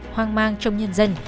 hoang mang trong nhân dân